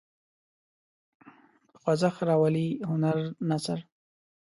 په خوځښت راولي هنري نثر.